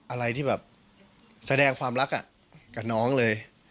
อะไรที่แบบแสดงความรักกับน้องเลย